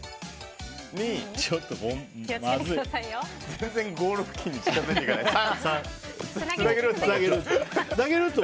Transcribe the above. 全然ゴール付近に近づいていかないです。